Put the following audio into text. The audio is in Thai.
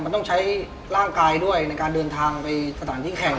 มันต้องใช้ร่างกายด้วยในการเดินทางไปสถานที่แข่ง